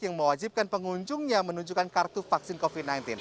yang mewajibkan pengunjungnya menunjukkan kartu vaksin covid sembilan belas